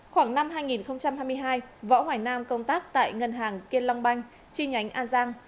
khoảng năm hai nghìn hai mươi hai võ hoài nam công tác tại ngân hàng kiên long banh chi nhánh an giang